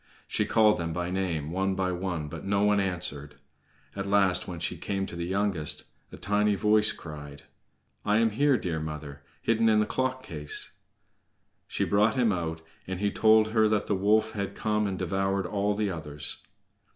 She called them by name, one by one, but no one answered. At last, when she came to the youngest, a tiny voice cried: "I am here, dear mother, hidden in the clock case." She brought him out, and he told her that the wolf had come and devoured all the others.